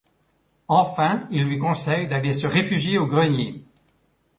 Enfin, il lui conseille d'aller se réfugier au grenier.